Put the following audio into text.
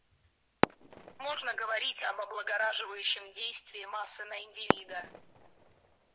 Можно говорить об облагораживающем действии массы на индивида.